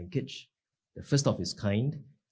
yang pertama adalah kind